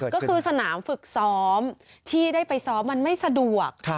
ก็คือสนามฝึกซ้อมที่ได้ไปซ้อมมันไม่สะดวก